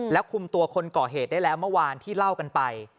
แล้วคุมตัวคนก่อเหตุได้แล้วเมื่อวานที่เล่ากันไป